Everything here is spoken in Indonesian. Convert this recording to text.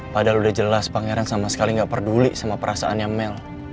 padahal udah jelas pangeran sama sekali nggak peduli sama perasaannya mel